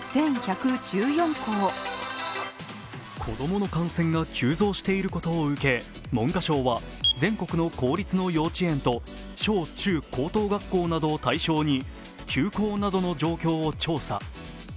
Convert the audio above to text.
子供の感染が急増していることを受け、文科省は全国の公立の幼稚園と小中高等学校などを対象に休校などの状況を調査。